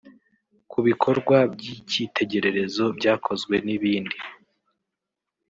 ku bikorwa by’icyitegererezo byakozwe n’ibindi”